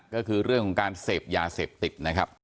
ก็คือเรื่องของการเสพยาเสพติดนะครับ